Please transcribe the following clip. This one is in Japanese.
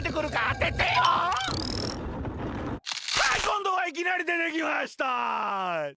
はいこんどはいきなりでてきました！